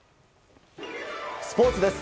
スポーツです。